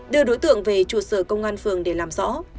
đưa đối tượng về trụ sở công an phường để làm rõ